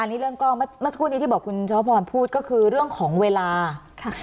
อันนี้เรื่องกล้องเมื่อเมื่อสักครู่นี้ที่บอกคุณชวพรพูดก็คือเรื่องของเวลาค่ะ